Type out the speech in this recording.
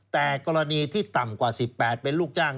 แต่กรณีที่ต่ำกว่า๑๘เป็นลูกจ้าง